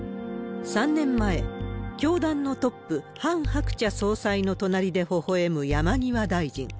３年前、教団のトップ、ハン・ハクチャ総裁の隣でほほえむ山際大臣。